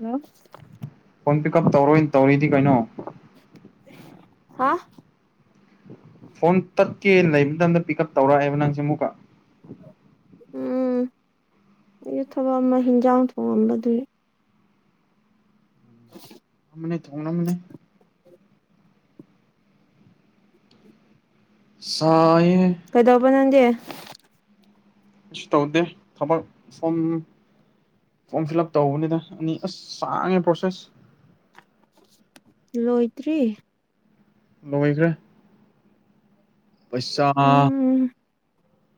Hello phone pick up ꯇꯧꯔꯣꯏꯅ ꯇꯧꯔꯤꯗꯤ ꯀꯩꯅꯣ ꯍꯥ ꯐꯣꯟ ꯇꯠꯀꯦ ꯂꯩꯕ ꯃꯇꯝꯗ ꯄꯤꯛ ꯎꯞ ꯇꯧꯔꯛꯑꯦꯕ ꯅꯪꯁꯦ ꯑꯃꯨꯛꯀ ꯎꯝ ꯌ ꯊꯕꯛ ꯑꯃ ꯍꯤꯟꯖꯥꯡ ꯊꯣꯡꯉꯝꯕ ꯑꯗꯨꯏ [unintelligible] ꯃꯅꯦ ꯊꯣꯡꯅ ꯃꯅꯦ ꯁꯥꯏꯌꯦ ꯀꯩꯗꯧꯕ ꯅꯪꯗꯤ ꯀꯩꯁꯨ ꯇꯧꯗꯦ ꯊꯕꯛ ꯁꯨꯝ ꯐꯣꯝ ꯐꯤꯜ ꯑꯞ ꯇꯧꯕꯅꯤꯗ ꯑꯅꯤ ꯑꯁ ꯆꯥꯡꯉꯦ ꯄ꯭ꯔꯣꯁꯦꯁ ꯂꯣꯏꯗ꯭ꯔꯤ ꯂꯣꯢꯈ꯭ꯔꯦ ꯄꯩꯁꯥ ꯎꯝ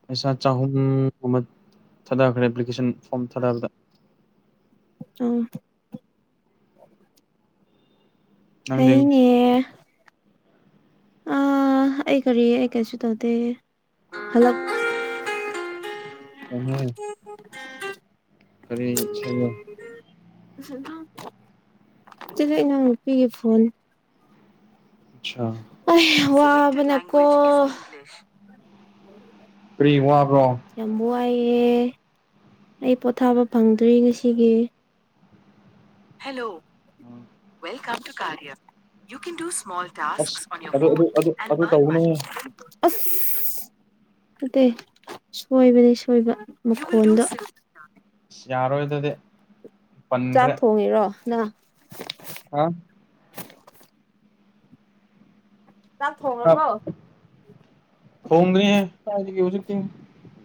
ꯄꯩꯁꯥ ꯆꯍꯨꯝ ꯑꯃ ꯊꯥꯗꯈ꯭ꯔꯦ ꯑꯦꯄ꯭ꯂꯤꯀꯦꯁꯟ ꯐꯣꯝ ꯊꯥꯗꯕꯗ ꯎꯝ ꯅꯪꯗꯤ ꯐꯩꯅꯦ ꯑ ꯑꯩ ꯀꯔꯤ ꯑꯩ ꯀꯩꯁꯨ ꯇꯧꯗꯦ ꯍꯜꯂꯛ [inaudible] [unintelligible] [inaudible] ꯀꯔꯤ ꯏꯁꯩꯅꯣ ꯆꯗ ꯏꯅꯥꯎ ꯅꯨꯄꯤꯒꯤ ꯐꯣꯟ ꯑꯁꯥ ꯑꯩ ꯋꯥꯕꯅꯀꯣ ꯀꯔꯤ ꯋꯥꯕ꯭ꯔꯣ ꯌꯥꯝ ꯋꯥꯏꯑꯦ ꯑꯩ ꯄꯣꯊꯥꯕ ꯐꯪꯗ꯭ꯔꯤ ꯉꯁꯤꯒꯤ hello [inaudible] welcome to ꯀꯥꯔꯌꯥ you can small as talks on year ꯑꯗꯨ ꯐꯣꯟ ꯑꯗꯨ ꯑꯗꯨ ꯑꯦꯟ ꯑꯗꯨ ꯑꯔꯟ ꯃꯅꯤ ꯇꯧꯒꯅꯨꯍꯦ ꯑꯁ ꯐꯠꯇꯦ ꯁꯣꯏꯕꯅꯤ ꯁꯣꯏꯕ ꯃꯈꯣꯟꯗꯣ ꯌꯥꯔꯣꯏ ꯑꯗꯨꯗꯤ ꯆꯥꯛ ꯄꯟꯈ꯭ꯔꯦ ꯊꯣꯡꯉꯤꯔꯣ ꯅꯪ ꯍꯥ ꯆꯥꯛ ꯊꯣꯡꯉꯕꯣ ꯊꯣꯡꯗ꯭ꯔꯤ ꯀꯥꯏꯗꯒꯤ ꯍꯧꯖꯤꯛꯇꯤ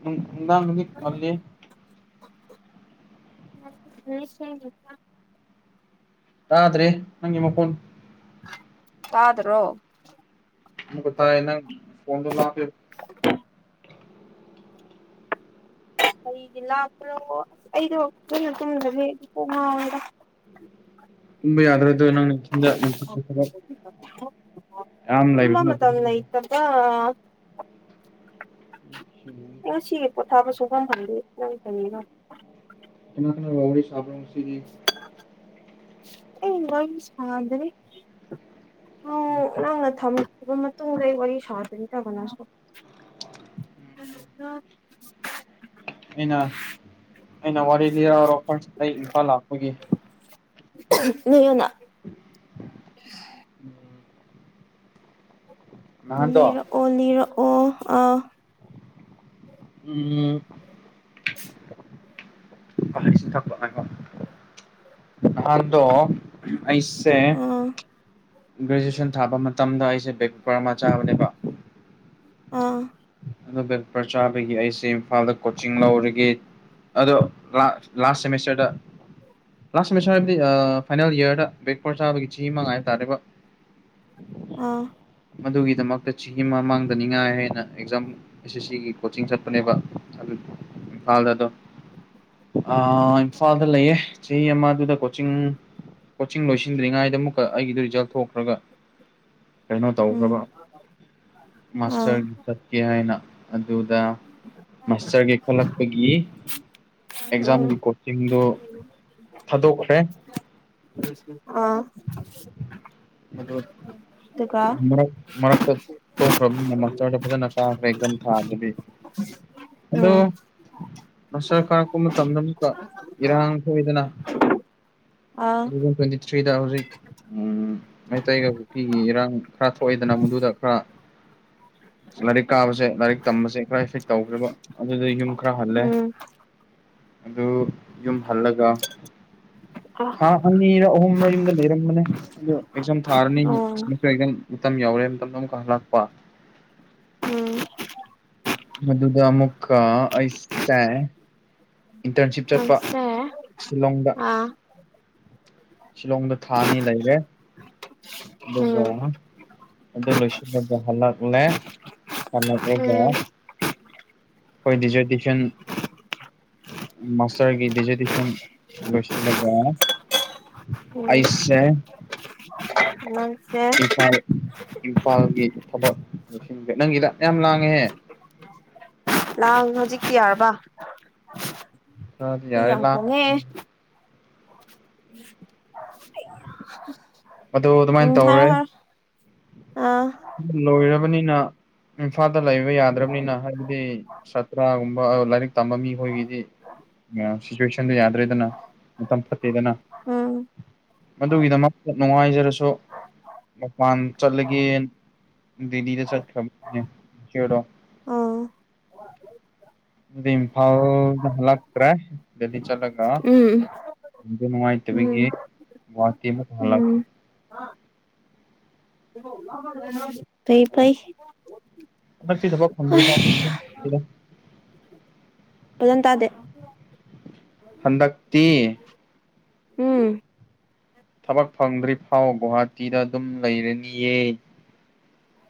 ꯅꯨꯡꯗꯥꯡꯗꯤ ꯉꯜꯂꯤ [inaudible] ꯇꯥꯗ꯭ꯔꯦ ꯅꯪꯒꯤ ꯃꯈꯣꯟ ꯇꯥꯗ꯭ꯔꯣ ꯊꯕꯛ ꯐꯔꯦ ꯅꯪ [unintelligible] ꯀꯒꯤ ꯂꯥꯞꯄꯅꯣ ꯑꯁ ꯑꯩꯗꯣ ꯀꯩꯅ ꯇꯨꯝꯗꯕꯦ ꯄꯣꯛ ꯃꯣꯟꯗ ꯇꯨꯝꯕ ꯌꯥꯗ꯭ꯔꯣ ꯅꯪ [unintelligible] ꯌꯥꯝ ꯇꯨꯝꯕ ꯂꯩꯕꯁꯨ ꯅꯠꯇꯦ ꯃꯇꯝ ꯂꯩꯇꯕ ꯉꯁꯤꯒꯤ ꯄꯣꯠꯊꯥꯕ ꯁꯨꯡꯐꯝ ꯐꯪꯗꯦ ꯅꯪ ꯀꯔꯤꯒꯤꯅꯣ ꯀꯩꯅꯣꯅꯥ ꯀꯅꯥ ꯋꯥꯔꯤ ꯁꯥꯕꯁꯤ ꯑꯩ ꯋꯥꯔꯤ ꯁꯥꯟꯅꯗ꯭ꯔꯤ ꯎꯝ ꯅꯪꯅ ꯊꯝꯕ ꯃꯇꯨꯡꯗ ꯑꯩ ꯋꯥꯔꯤ ꯁꯥꯗ꯭ꯔꯤꯗ ꯀꯅꯥꯁꯨ ꯎ [unintelligible] ꯑꯩꯅ ꯑꯩꯅ ꯋꯥꯔꯤ ꯂꯤꯔꯑꯔꯣ ꯑꯩꯈꯣꯏꯁꯤꯗ ꯏꯝꯐꯥꯜ ꯂꯥꯛꯄꯒꯤ ꯅꯌꯅ ꯎꯝ ꯅꯍꯥꯟꯗꯣ ꯑꯣꯂꯤꯔꯛꯑꯣ ꯑꯥ ꯎꯝ [inaudible] ꯅꯍꯥꯟꯗ ꯑꯩꯁꯦ ꯑꯥ ꯒ꯭ꯔꯦꯖꯨꯑꯌꯦꯁꯟ ꯊꯥꯕ ꯃꯇꯝꯗ ꯑꯩꯁꯦ ꯕ ꯄꯔꯃꯥ ꯆꯥꯕꯅꯦꯕ ꯑꯥ ꯑꯗꯨ ꯕꯦꯛꯄꯔ ꯆꯥꯕꯒꯤ ꯑꯩꯁꯦ ꯏꯝꯐꯥꯜꯗ ꯀꯣꯆꯤꯡ ꯂꯧꯔꯒꯦ ꯑꯗꯣ ꯂꯥꯁ ꯁꯦꯃꯤꯁꯇꯔꯗ ꯂꯥꯁ ꯁꯃꯤꯁꯇꯔ ꯍꯥꯏꯕꯗꯤ ꯐꯥꯏꯅꯦꯜ ꯌꯌꯥꯔꯗ ꯕꯦꯛ ꯐꯣꯔ ꯆꯥꯕꯒꯤ ꯆ ꯑꯃ ꯍꯥꯏꯕ ꯇꯥꯔꯦꯕ [inaudible] ꯑꯥ ꯃꯗꯨꯒꯤꯗꯃꯛꯇ ꯆꯍꯤꯒꯤ ꯃꯃꯥꯡꯗꯅꯤꯉꯥꯏ ꯍꯥꯏꯅ ꯑꯦꯛꯖꯥꯝ ꯑꯦꯁ ꯑꯦꯁ ꯁꯤꯒꯤ ꯀꯣꯆꯤꯡ ꯆꯠꯄꯅꯦꯕ ꯑꯗꯨ ꯏꯝꯐꯥꯜꯗ ꯑꯗꯣ ꯏꯝꯐꯥꯜꯗ ꯂꯩꯌꯦ ꯆꯍꯤ ꯑꯃꯗꯨꯗ ꯀꯣꯆꯤꯡ ꯀꯣꯆꯤꯡ ꯂꯣꯏꯁꯤꯟꯗ꯭ꯔꯤꯉꯩꯗ ꯑꯃꯨꯛꯀ ꯑꯩꯒꯤꯗꯨꯣ ꯔꯤꯖꯜ ꯊꯣꯛꯈ꯭ꯔꯒ ꯀꯩꯅꯣ ꯎꯝ ꯇꯧꯈ꯭ꯔꯕ ꯑꯥ ꯃꯥꯁꯇꯔꯒꯤ ꯆꯠꯀꯦ ꯍꯥꯏꯅ ꯑꯗꯨꯗ ꯃꯥꯁꯇꯔꯒꯤ ꯈꯜꯂꯛꯄꯒꯤ ꯎꯝ ꯑꯦꯛꯖꯥꯝꯒꯤ ꯀꯣꯔ ꯉꯤꯡꯗ ꯊꯥꯗꯣꯛꯈ꯭ꯔꯦ [unintelligible] ꯑꯥ꯫ ꯑꯗꯣꯠ ꯑꯗꯨꯒ ꯃꯔꯛ ꯃꯔꯛꯇ꯫ ꯊꯣꯛꯈ꯭ꯔꯕꯅꯤꯅ ꯃꯁꯇꯔꯗ ꯐꯖꯅ ꯀꯥꯈ꯭ꯔꯦ ꯑꯦꯛꯖꯝ ꯊꯥꯕꯗꯨꯗꯤ ꯑꯗꯣ ꯎꯝ ꯃꯁꯇꯔ ꯀꯥꯔꯛꯄ ꯃꯇꯝꯗ ꯑꯃꯨꯛꯀ ꯏꯔꯥꯡ ꯊꯣꯛꯏꯗꯅ꯫ ꯑꯥ ꯇꯨ ꯊꯥꯎꯖꯟ ꯇ꯭ꯋꯦꯟꯇꯤ ꯊ꯭ꯔꯤꯗ ꯍꯧꯖꯤꯛ꯫ ꯎꯝ ꯃꯩꯇꯩꯒ ꯀꯨꯀꯤꯒ ꯏꯔꯥꯡ ꯈꯔ ꯊꯣꯛꯑꯦꯗꯅ ꯃꯗꯨꯗ ꯈꯔ ꯁꯂꯥꯏꯔꯤꯛ꯫ ꯀꯥꯕꯁꯦ ꯂꯥꯏꯔꯤꯛ ꯇꯝꯕꯁꯦ ꯈꯔ ꯏꯐꯤꯛ ꯇꯧꯈ꯭ꯔꯕ ꯑꯗꯨꯗ ꯌꯨꯝ ꯈꯔ ꯍꯜꯂꯦ꯫ ꯎꯝ ꯑꯗꯨ ꯌꯨꯝ ꯍꯜꯂꯒ ꯊꯥ ꯑꯅꯤꯔ ꯑꯍꯨꯝꯔ ꯌꯨꯝꯗ ꯂꯩꯔꯝꯕꯅꯦ ꯑꯗꯣ ꯑꯦꯛꯖꯥꯝ ꯊꯥꯔꯅꯤ꯫ ꯑꯣ ꯑꯗꯨ ꯑꯦꯛꯖꯥꯝ ꯃꯇꯝ ꯌꯧꯔꯦ ꯑꯗꯨꯗ ꯑꯃꯨꯛꯀ ꯍꯜꯂꯛꯄ꯫ ꯎꯝ꯫ ꯃꯗꯨꯗ ꯑꯃꯨꯛ ꯑꯩꯁꯦ ꯏꯟꯇꯔꯟꯁꯤꯞ ꯆꯠꯄ ꯅꯪꯁꯦ ꯁꯤꯂꯣꯡꯗ꯫ ꯑꯥ ꯁꯤꯂꯣꯡꯗ ꯊꯥꯑꯅꯤ ꯂꯩꯔꯦ꯫ ꯑꯗꯨꯒ ꯎꯝ ꯑꯗꯨ ꯂꯣꯏꯁꯤꯜꯂꯒ ꯍꯜꯂꯛꯂꯦ꯫ ꯂꯜꯂꯛꯑꯦꯒ ꯎꯝ ꯑꯈꯣꯏ ꯗꯤꯖꯥꯔꯗꯦꯁꯟ ꯃꯥꯁꯇꯔꯒꯤ ꯗꯤꯖꯥꯔꯇꯦꯁꯟ ꯂꯣꯏꯁꯤꯜꯂꯒ ꯎꯝ ꯑꯩꯁꯦ꯫ [unintelligible] ꯏꯝꯐꯥꯜ ꯏꯝꯐꯥꯜꯒꯤ ꯊꯕꯛ ꯂꯣꯏꯁꯤꯟ [unintelligible] ꯅꯪꯒꯤꯗ ꯑꯗꯨꯌꯥꯝ ꯂꯥꯡꯉꯦꯍꯦ꯫ ꯂꯥꯡ ꯍꯧꯖꯤꯛꯇꯤ ꯌꯥꯔꯕ꯫ [unintelligible] ꯈꯔꯗꯤ ꯌꯥꯔꯦꯂꯥꯞ ꯑꯦ꯫ ꯑꯩꯌꯣꯃ ꯑꯗꯨ ꯑꯗꯨꯃꯥꯏꯅ ꯎꯝ ꯍꯥꯏꯔꯣ ꯇꯧꯔꯦ ꯍꯥꯏꯔꯣ꯫ ꯑꯥ ꯂꯣꯏꯔꯕꯅꯤꯅ ꯏꯝꯐꯥꯜꯗ ꯂꯩꯕ ꯌꯥꯗ꯭ꯔꯕꯅꯤꯅ ꯍꯥꯏꯕꯗꯤ ꯁꯥꯇ꯭ꯔꯥꯒꯨꯝꯕ ꯂꯥꯏꯔꯤꯛ ꯇꯝꯕ ꯃꯤ ꯈꯣꯏꯒꯤꯗꯤ ꯌꯥꯝ ꯁꯤ ꯆꯦꯛꯁꯟꯗ ꯌꯥꯗ꯭ꯔꯦꯗꯅ ꯃꯇꯝ ꯐꯠꯇꯦꯗꯅ ꯎꯝ ꯃꯗꯨꯒꯤꯗꯃꯛꯇ ꯅꯨꯡꯉꯥꯏꯖꯔꯁꯨ ꯃꯄꯥꯟ ꯆꯠꯂꯒꯦ ꯗꯤꯂꯤꯗ ꯆꯠꯈꯔꯕꯅꯦ ꯏꯆꯦꯗꯣ ꯑꯥ ꯑꯗꯨꯏ ꯏꯝꯐꯥꯜꯗ ꯍꯜꯂꯛꯇ꯭ꯔꯦ ꯗꯦꯂꯤ ꯆꯠꯂꯒ ꯎꯝ ꯑꯗꯨ ꯎꯝ ꯅꯨꯡꯉꯥꯏꯇꯕꯒꯤ ꯒꯨꯍꯥꯇꯤ ꯃꯨꯛ ꯍꯜꯂꯛ ꯎꯝ [unintelligible] ꯐꯩ ꯐꯩ [unintelligible] ꯐꯖꯟ ꯇꯥꯗꯦ ꯍꯟꯗꯛꯇꯤ ꯎꯝ ꯊꯕꯛ ꯐꯪꯗ꯭ꯔꯤ ꯐꯥꯎ ꯒꯨꯍꯥꯇꯤꯗ ꯑꯗꯨꯝ ꯂꯩꯔꯅꯤꯌꯦ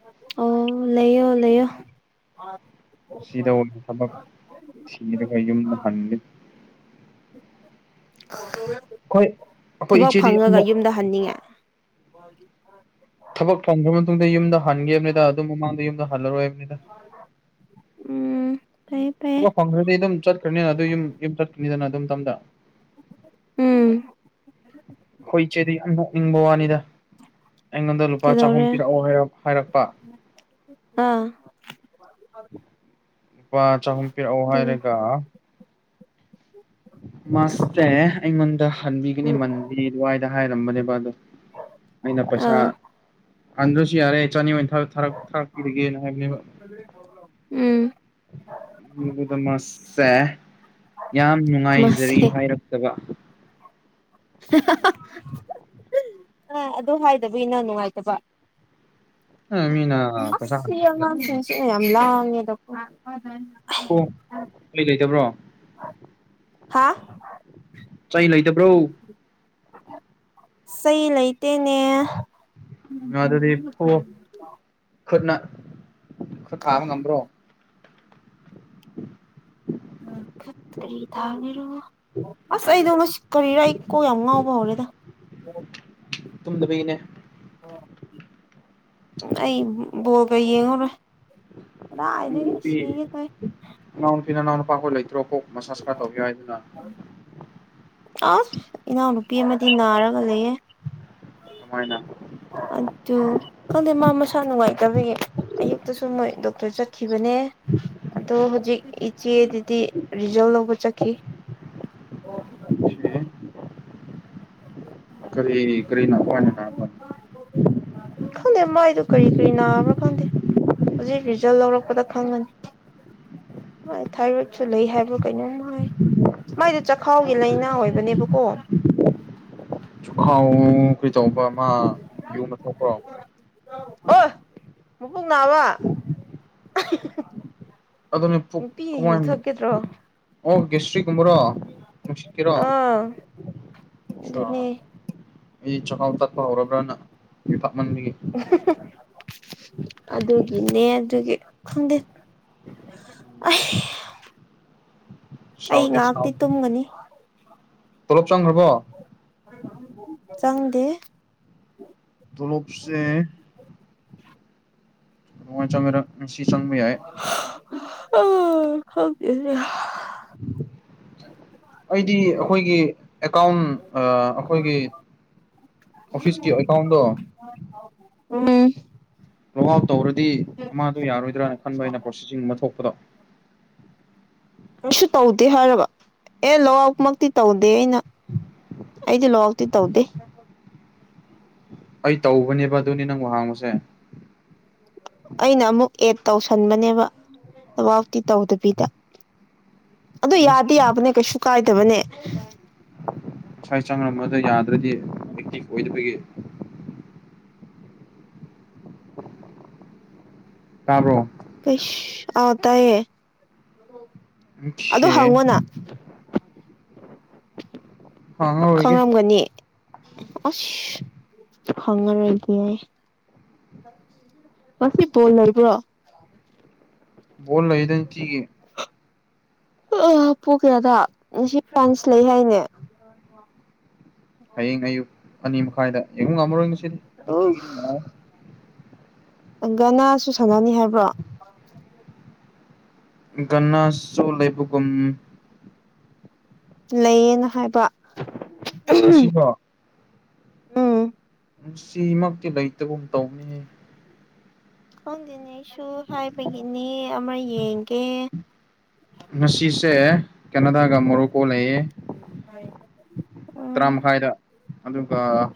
[unintelligible] ꯑꯣ ꯂꯩꯌꯣ ꯂꯩꯌꯣ [unintelligible] ꯁꯤꯗꯕꯣꯛ ꯊꯕꯛ ꯊꯤꯔꯒ ꯌꯨꯝꯗ ꯍꯟꯒꯦ [unintelligible] ꯑꯩꯈꯣꯏ ꯑꯩꯈꯣꯏ ꯊꯕꯛ ꯏꯆꯦꯗꯤ ꯐꯪꯉꯒ ꯌꯥꯝꯅ ꯌꯨꯝꯗ ꯍꯟꯅꯤꯡꯉꯦ [unintelligible] ꯊꯕꯛ ꯐꯪꯈ꯭ꯔ ꯃꯇꯨꯡꯗ ꯌꯨꯝꯗ ꯍꯟꯒꯦꯕꯅꯤꯗ ꯑꯗꯨꯝ ꯃꯃꯥꯡꯗ ꯌꯨꯝꯗ ꯍꯜꯂꯔꯣꯏ ꯍꯥꯏꯕꯅꯤꯗ ꯎꯝ ꯐꯩꯌꯦ ꯐꯩ ꯐꯪꯗ꯭ꯔꯗꯤ ꯑꯗꯨꯝ ꯆꯠꯈ꯭ꯔꯅꯤꯅ ꯑꯗꯨ ꯌꯨꯝ ꯌꯨꯝ ꯆꯠꯀꯅꯤꯗꯅ ꯑꯗꯨꯝ ꯇꯝꯗ ꯎꯝ ꯑꯩꯈꯣꯏ ꯏꯆꯦꯗꯤ ꯌꯥꯝ ꯅꯣꯛꯅꯤꯡꯕ ꯋꯥꯅꯤꯗ ꯑꯩꯉꯣꯟꯗ ꯂꯨꯄꯥ ꯆꯍꯨꯝ ꯄꯤꯔꯛꯑꯣ ꯍꯥꯏ ꯍꯥꯏꯔꯛꯄ ꯑ‌ꯥ ꯂꯨꯄꯥ ꯆꯍꯨꯝ ꯄꯤꯔꯛꯑꯣ ꯍꯥꯏꯔꯒ ꯃꯥꯁꯇꯦ ꯑꯩꯉꯣꯟꯗ ꯍꯟꯕꯤꯒꯅꯤ ꯎꯝ ꯃꯟꯕꯤ ꯑꯗꯨꯋꯥꯏꯗ ꯍꯥꯏꯔꯝꯕꯅꯦꯕ ꯑꯗꯣ ꯑꯩꯅ ꯄꯩꯁꯥ ꯑꯥ ꯍꯟꯗ꯭ꯔꯁꯨ ꯌꯥꯔꯦ ꯆꯥꯅꯤ ꯑ‌ꯣꯏꯅ ꯊꯔꯛ ꯊꯔꯛ ꯊꯥꯔꯛꯄꯤꯔꯒꯦꯅ ꯍꯥꯏꯕꯅꯦꯕ ꯎꯝ ꯗꯃꯛꯁꯦ ꯌꯥꯝ ꯅꯨꯡꯉꯥꯏꯖꯔꯤ ꯃꯥꯁꯦ ꯍꯥꯏꯔꯛꯇꯕ ꯑꯥ ꯑꯗꯨ ꯍꯥꯏꯗꯕꯒꯤ ꯅꯪ ꯅꯨꯡꯉꯥꯏꯇꯕ ꯑ ꯃꯤꯅ ꯑꯁ ꯄꯩꯁꯥ ꯁꯤ ꯑꯉꯥꯡꯁꯤꯡ ꯌꯥꯝ ꯂꯥꯡꯉꯦꯗꯀ‌ꯣ ꯑꯣ ꯀꯩ ꯂꯩꯇꯕ꯭ꯔꯣ ꯍꯥꯥ ꯆꯩ ꯂꯩꯇꯕ꯭ꯔꯣ ꯆꯩ ꯂꯩꯇꯦꯅꯦ ꯑꯗꯨꯗꯤ ꯐꯨꯑꯣ ꯈꯨꯠꯅ ꯈꯨꯠ ꯊꯥꯕ ꯉꯝꯕ꯭ꯔꯣ [unintelligible] ꯎꯝ ꯈꯨꯠ ꯀꯔꯤ ꯇꯕꯦꯔꯣ ꯑꯁ ꯑꯩꯗꯣ ꯉꯁꯤ ꯀꯔꯤꯔꯥ ꯑꯩ ꯀꯣ ꯌꯥꯝ ꯉꯥꯎꯕ ꯍꯧꯔꯦꯗ ꯇꯨꯝꯗꯕꯩꯅꯦ ꯑꯩ ꯕ‌ꯣꯜꯒ ꯌ‌ꯦꯡꯉꯔ‌ꯣꯏ ꯅꯅꯥꯎ ꯅꯨꯄꯤ ꯇꯧꯋꯦ ꯅꯅꯥꯎ ꯅꯨꯄꯤ ꯅꯅꯥꯎ ꯅꯨꯄꯥ ꯈ‌ꯣꯏ ꯂꯩꯇ꯭ꯔꯣ ꯀ‌ꯣꯛ ꯃꯁꯥꯥꯁ ꯈꯔ ꯇꯧꯕꯤꯌꯨ ꯍꯥꯏꯌꯨꯗꯅ ꯑꯥ ꯏꯅꯥꯎꯅꯨꯄꯤ ꯑꯃꯗꯤ ꯅꯥꯔꯒ ꯂꯩꯌꯦ ꯀꯃꯥꯏꯅ ꯑꯗꯨ ꯈꯪꯗꯦ ꯃꯥ ꯃꯁꯥ ꯅꯨꯡꯉꯥꯏꯇꯕꯒꯤ ꯑꯌꯨꯛꯇꯁꯨ ꯃꯣꯏ ꯗꯣꯛꯇꯔ ꯆꯠꯈꯤꯕꯅꯦ ꯑꯗꯣ ꯍꯧꯖꯤꯛ ꯏꯆꯦ ꯗꯨꯗꯤ ꯔꯤꯖꯜ ꯂꯧꯕ ꯆꯠꯈꯤ [unintelligible] ꯀꯔꯤ ꯀꯔꯤ ꯅꯅꯥꯄꯥꯅꯤꯅꯥ ꯅꯥꯕꯔꯥ ꯈꯪꯗꯦ ꯃꯥꯏꯗꯨꯣ ꯀꯔꯤ ꯀꯔꯤ ꯅꯥꯕ꯭ꯔꯥ ꯈꯪꯗꯦ ꯍꯧꯖꯤꯛ ꯔꯤꯖꯜ ꯂꯧꯔꯛꯄꯗ ꯈꯪꯉꯅꯤ ꯃ ꯊꯥꯏꯔꯣꯠꯁꯨ ꯂꯩ ꯍꯥꯏꯕꯔꯥ ꯀꯩꯅꯣꯝ ꯍꯥꯏ ꯃꯥꯏꯗ‌ꯣ ꯆꯥꯛꯈꯥꯎꯒꯤ ꯂꯥꯏꯅꯥ ꯑꯣꯏꯕꯔꯥ ꯀꯩꯅ‌ꯣꯝ ꯑꯣꯏꯕꯅ‌ꯦꯕꯀ‌ꯣ ꯆꯨꯈꯥꯎ ꯀꯩꯗꯧꯕ ꯃꯥ ꯌꯨꯒ ꯊꯛꯄ꯭ꯔꯣ ꯑꯣ ꯃꯕꯨꯛ ꯅꯥꯕ ꯑꯗꯨꯅꯦ ꯄꯨꯛ ꯅꯨꯄꯤ ꯌꯨ ꯀꯃꯥꯏ ꯊꯛꯀꯗ꯭ꯔꯣ ꯑꯣ ꯒꯤꯌꯥꯁ꯭ꯔꯤꯛ ꯀꯨꯝꯃꯔꯣ ꯅꯨꯡꯁꯤꯠꯀꯤꯔꯣ ꯑꯥ ꯑꯗꯨꯅꯦ ꯑꯩ ꯆꯈꯥꯎ ꯇꯠꯄ ꯍꯧꯔꯕ꯭ꯔꯅ ꯌꯨ ꯊꯛꯃꯟꯕꯒꯤ ꯑꯗꯨꯒꯤꯅꯦ ꯑꯗꯨꯒꯤ ꯈꯪꯗꯦ ꯑꯩ ꯎꯝ ꯑꯩ ꯁꯥꯎꯗ‌ꯦ ꯉꯥꯏꯍꯥꯛꯇꯤ ꯇꯨꯝꯒꯅꯤ ꯇ‌ꯧꯂ‌ꯣꯞ ꯆꯪꯈ꯭ꯔꯕꯣ ꯆꯪꯗꯦ ꯇꯣꯂ‌ꯣꯞꯁ‌ꯦ ꯆ ꯃ ꯉꯁꯤ ꯆꯪꯕ ꯌꯥꯏ ꯍ ꯑ ꯈꯪꯗ‌ꯦꯅ‌ꯦ [unintelligible] ꯑꯩꯗꯤ ꯑꯩꯈꯣꯏꯒꯤ ꯑꯦꯀꯥꯎꯟ ꯑ ꯑꯈꯣꯏꯒꯤ ꯑꯣꯐꯤꯁꯀꯤ ꯑꯦꯀꯥꯎꯟꯗꯣ ꯎꯝ ꯂꯣꯛ ꯑꯥꯎꯠ ꯇꯧꯔꯗꯤ ꯑꯃꯗꯣ ꯌꯥꯔꯣꯏꯗ꯭ꯔꯥꯅ ꯈꯟꯕ ꯑꯩꯅ ꯄ꯭ꯔꯣꯁꯤꯁꯤꯡ ꯑꯃ ꯊꯣꯛꯄꯗꯣ ꯀꯩꯁꯨ ꯇꯧꯗꯦ ꯍꯥꯏꯔꯕ ꯑꯦ ꯂꯣꯛ ꯑꯥꯎꯠ ꯃꯛꯇꯤ ꯇꯧꯗꯦ ꯑꯩꯅ ꯑꯩꯗꯤ ꯂꯣꯛ ꯑꯥꯎꯠꯇꯤ ꯇꯧꯗꯦ ꯑꯩ ꯇꯧꯕꯅꯦꯕ ꯑꯗꯨꯅꯤ ꯅꯪꯍꯥꯡꯕꯁꯦ ꯑꯩꯅ ꯑꯃꯨꯛ ꯑꯦꯗ ꯇꯧꯁꯟꯕꯅꯦꯕ ꯋꯥꯎꯇꯤ ꯇꯧꯗꯕꯤꯗ ꯑꯗ ꯏꯁ ꯌꯥꯗꯤ ꯌꯥꯕꯅꯦ ꯀꯩꯁꯨ ꯀꯥꯏꯗꯕꯅꯦ ꯁ꯭ꯋꯥꯏ ꯆꯪꯝꯕꯗ ꯌꯥꯗ꯭ꯔꯗꯤ ꯑꯦꯛꯇꯤꯚ ꯑꯣꯏꯗꯕꯒꯤ [unintelligible] ꯇꯥꯕ꯭ꯔꯣ ꯀꯩꯁ ꯑꯥ ꯇꯥꯏꯌꯦ ꯑꯗꯨ ꯑꯣꯈꯦ ꯍꯪꯉꯣꯅ ꯍꯥꯡꯉꯔꯣꯏꯒꯦ ꯈꯪꯉꯝꯒꯅꯤ ꯑꯁ ꯍꯪꯉꯔꯣꯏꯒꯦ [unintelligible] ꯃꯁꯤ ꯕꯣꯜ ꯂꯩꯕꯔꯣ ꯕꯣꯜ ꯂꯩꯗ ꯅꯤꯇꯤꯒꯤ ꯎ ꯍꯥꯄꯣꯛꯒꯦ ꯑꯗ ꯁꯤ ꯄꯟꯁ ꯂꯩ ꯍꯥꯏꯅꯦ [unintelligible] ꯍꯌꯦꯡ ꯑꯌꯨꯛ ꯑꯅꯤ ꯃꯈꯥꯏꯗ ꯌꯦꯉꯨꯡ ꯉꯝꯃꯔꯣꯏ ꯑꯣ ꯅꯨꯡꯁꯤꯗꯤꯊꯤꯒꯤꯗꯤ ꯒꯅꯥꯁꯨ ꯁꯥꯟꯅꯅꯤ ꯍꯥꯏꯕ꯭ꯔꯣ [unintelligible] ꯒꯟꯅꯁꯨ ꯂꯩꯕꯒꯨꯝ ꯂꯩꯌꯦꯅ ꯍꯥꯏꯕ ꯃꯁꯤꯕꯣ ꯎꯝ ꯉꯁꯤꯃꯛꯇꯤ ꯂꯩꯇꯒꯨꯝ ꯇꯧꯕꯅꯤ ꯈꯪꯗꯦꯅꯦꯁꯨ ꯍꯥꯏꯕꯒꯤꯅꯦ ꯑꯃ ꯌꯦꯡꯒꯦ ꯉꯁꯤꯁꯦ ꯀꯦꯅꯥꯗꯥꯒ ꯃꯣꯔꯣꯀꯣ ꯂꯩꯌꯦ ꯎꯝ ꯍꯥꯏ ꯇꯔꯥ ꯃꯈꯥꯏꯗ ꯑꯗꯨꯒ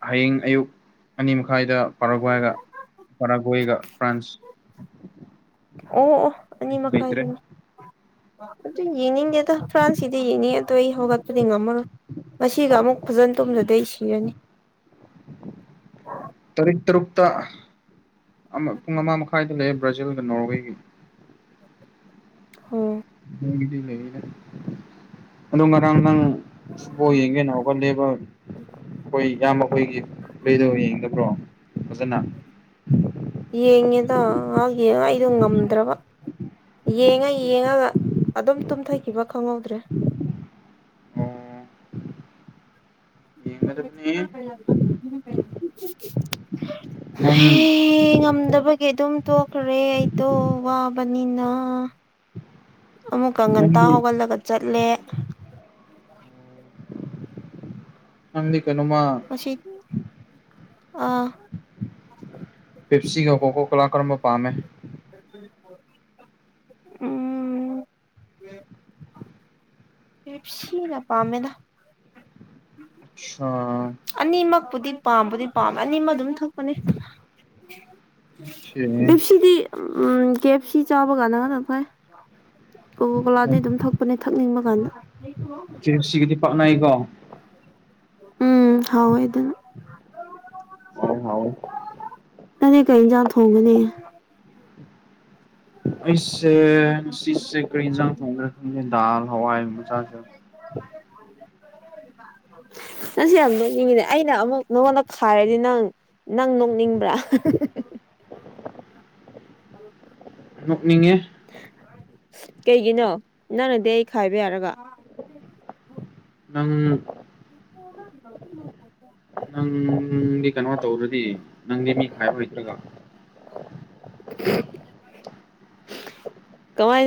ꯍꯌꯦꯡ ꯑꯌꯨꯛ ꯑꯅꯤ ꯃꯈꯥꯏꯗ ꯄꯔꯥꯒꯒ ꯄꯔꯥꯒꯣꯏꯒ ꯐ꯭ꯔꯥꯟꯁ ꯑꯣ ꯑꯣ ꯑꯅꯤ ꯂꯩꯇ꯭ꯔꯦ ꯃꯈꯥꯏꯗꯅꯤ ꯑꯗꯨ ꯌꯦꯡꯅꯤꯡꯗꯦ ꯐ꯭ꯔꯥꯟꯁꯀꯤꯗꯤ ꯌꯦꯡꯅꯤꯡ ꯑꯗꯣ ꯑꯩ ꯍꯧꯒꯠꯄꯗꯤ ꯉꯝꯃꯔꯣꯏ ꯃꯁꯤꯒ ꯑꯃꯨꯛ ꯐꯖꯟ ꯇꯨꯝꯗꯗꯤ ꯁꯤꯔꯅꯤ ꯇꯔꯤꯛ ꯇꯔꯨꯛꯇ ꯑꯃ ꯄꯨꯡ ꯑꯃ ꯃꯈꯥꯏꯗ ꯂꯩ ꯕ꯭ꯔꯥꯖꯤꯜꯒ ꯅꯣꯔꯋꯦꯒꯤ ꯑꯣ ꯑꯣ ꯉꯔꯥꯡ ꯅꯪ ꯁꯨꯕꯣ ꯌꯦꯡꯒꯦꯅꯥꯒ ꯂꯦꯕ ꯍꯈꯣꯏ ꯏꯌꯥꯝꯕ ꯑꯩꯈꯣꯏꯒꯤ ꯂꯩꯗ ꯌꯦꯡꯗꯕ꯭ꯔꯣ ꯐꯖꯅ ꯌꯦꯡꯉꯦꯗ ꯉꯥꯏꯍꯥꯛ ꯌꯦꯡꯉ ꯑꯩꯗꯣ ꯉꯝꯗ꯭ꯔꯕ ꯌꯦꯡꯉ ꯌꯦꯡꯉꯒ ꯑꯗꯨꯝ ꯇꯨꯝꯊꯈꯤꯕ ꯈꯪꯍꯧꯗ꯭ꯔꯦ ꯑꯣ ꯌꯦꯡꯒꯗꯕꯅꯤ [unintelligible] ꯅꯪ ꯍꯦ ꯉꯝꯗꯕꯒꯤ ꯑꯗꯨꯝ ꯇꯣꯛꯈ꯭ꯔꯦ ꯑꯩꯗꯣ ꯋꯥꯕꯅꯤꯅ ꯑꯃꯨꯛꯀ ꯉꯟꯇꯥ ꯅꯪꯗꯤ ꯍꯧꯒꯠꯂꯒ ꯆꯠꯂꯦ ꯅꯪꯗꯤ ꯀꯩꯅꯣꯝꯃ ꯑꯥ ꯄꯦꯞꯁꯤꯒ ꯀꯣ ꯀꯣ ꯀꯣꯂꯥ ꯀꯔꯝꯕ ꯄꯥꯝꯃꯦ [unintelligible] ꯎꯝ ꯄꯦꯞꯁꯤꯅ ꯄꯥꯝꯃꯦꯗ ꯑꯥ ꯑꯅꯤꯃꯛꯄꯨꯗꯤ ꯄꯥꯝꯕꯨꯗꯤ ꯄꯥꯝꯃꯦ ꯑꯅꯤꯃꯛ ꯑꯗꯨꯝ ꯊꯛꯄꯅꯦ ꯀꯦ ꯕꯤꯞꯁꯤꯗꯤ ꯎꯝ ꯀꯦꯞꯁꯤ ꯆꯥꯕ ꯀꯥꯟꯅꯕꯅ ꯐꯥꯏ ꯀꯣꯀꯣ ꯀꯣꯂꯥꯗꯒꯤꯩ ꯑꯗꯨꯝ ꯊꯛꯄꯅꯦ ꯊꯛꯅꯤꯡꯕ ꯀꯥꯟꯗ [unintelligible] ꯄꯥꯛꯅꯩꯀꯣ ꯎꯝ ꯍꯥꯎꯋꯦꯗꯨꯅ ꯑꯣ ꯍꯥꯎ [unintelligible] ꯅꯡ ꯗꯤ ꯀꯩ ꯌꯦꯟꯖꯥꯡ ꯊꯣꯡꯒꯅꯤ ꯑꯩꯁꯦ ꯉꯁꯤꯁꯦ ꯀꯔꯤ ꯌꯦꯟꯖꯥꯡ ꯊꯣꯡꯒꯔꯥ ꯈꯪꯗꯦ ꯗꯥꯜ ꯍꯋꯥꯏ ꯆꯥꯁꯦ ꯔꯥꯥ ꯅꯪꯁ ꯌꯥꯝ ꯅꯣꯛꯅꯤꯡꯉꯤꯅꯦ ꯑꯩꯅ ꯑꯃꯨꯛ ꯅꯉꯣꯟꯗ ꯈꯥꯏꯔꯗꯤ ꯅꯪ ꯅꯪ ꯅꯣꯛꯅꯤꯡ ꯕꯔꯥ ꯅꯣꯛꯅꯤꯡꯉꯦ ꯀꯩꯒꯤꯅꯣ ꯅꯪꯅꯗꯤ ꯑꯩ ꯈꯥꯏꯕ ꯌꯥꯔꯒ ꯅꯪ [unintelligible] ꯅꯪꯗꯤ ꯀꯩꯅꯣ ꯇꯧꯔꯗꯤ ꯅꯪꯗꯤ ꯃꯤ ꯈꯥꯏꯕ ꯍꯩ ꯇꯔꯒꯥ ꯀꯃꯥꯏ